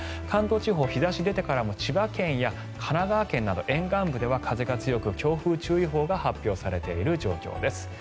関東地方、日差しが出てからも千葉県や神奈川県など沿岸部では風が強く強風注意報が発表されている状況です。